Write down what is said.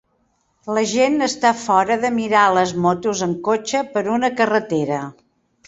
La gent està fora de mirar les motos en cotxe per una carretera.